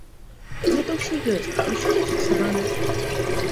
Гэта ўсё ёсць, усё зафіксавана.